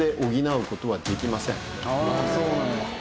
そうなんだ。